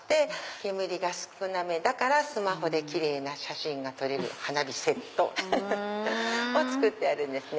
煙が少なめだからスマホでキレイな写真が撮れる花火セットを作ってるんです。